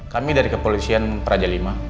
kami dari kepolisian praja v